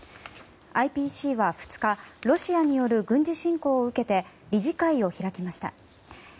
ＩＰＣは２日ロシアによる軍事侵攻を受けて理事会を開きました。